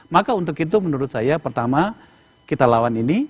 maka untuk itu menurut saya pertama kita lawan ini